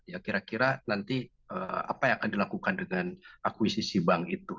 ya kira kira nanti apa yang akan dilakukan dengan akuisisi bank itu